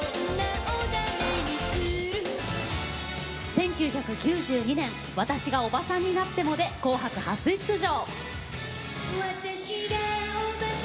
１９９２年「私がオバさんになっても」で「紅白」初出場。